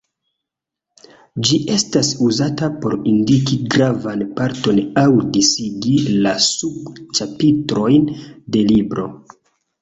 Ĝi estas uzata por indiki gravan parton aŭ disigi la sub-ĉapitrojn de libro.